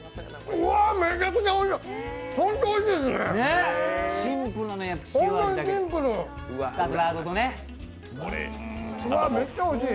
うわー、めちゃくちゃおいしい！